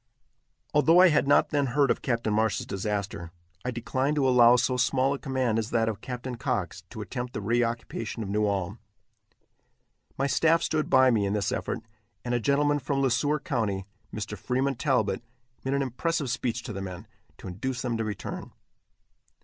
Although I had not then heard of Captain Marsh's disaster, I declined to allow so small a command as that of Captain Cox to attempt the reoccupation of New Ulm. My staff stood by me in this effort, and a gentleman from Le Sueur county, Mr. Freeman Talbott, made an impressive speech to the men, to induce them to return.